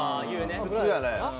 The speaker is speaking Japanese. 普通やね。